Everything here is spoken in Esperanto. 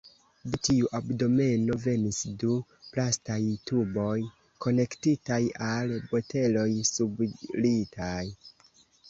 De tiu abdomeno venis du plastaj tuboj konektitaj al boteloj sublitaj.